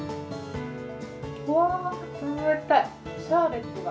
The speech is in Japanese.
わー、冷たい、シャーベットだ。